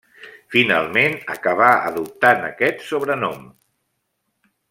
Finalment acabà adoptant aquest sobrenom.